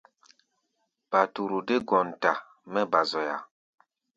Paturu dé gɔnta mɛ́ ba zoya.